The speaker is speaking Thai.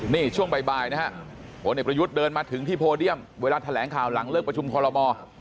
นี่ช่วงบ่ายนะฮะพลเอกประยุทธ์เดินมาถึงที่โพเดียมเวลาแถลงข่าวหลังเลิกประชุมคอลโลมอร์